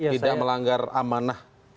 tidak melanggar amanah